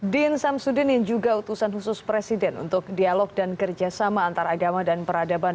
din samsudin yang juga utusan khusus presiden untuk dialog dan kerjasama antara agama dan peradaban